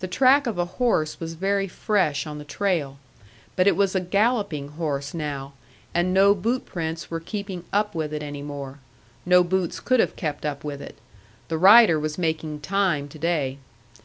The track of a horse was very fresh on the trail. But it was a galloping horse now, and no bootprints were keeping up with it any more. No boots could have kept up with it. The rider was making time to day.